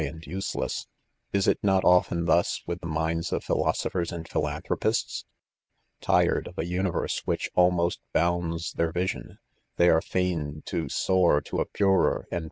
sad ''Useless. Is it not ■often, .tlras with the izni&ds of ^philosophers • and philanthropists ? Tired of ' a universe which almost bounds their 'vision, they are ftia £o soar to a piirer and.